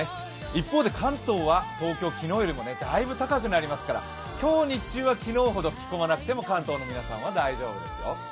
一方で関東は東京、昨日よりもだいぶ高くなりますから今日、日中は昨日ほど着込まなくても関東の皆さんは大丈夫ですよ。